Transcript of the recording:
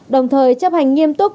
đồng thời chấp hành nghiêm túc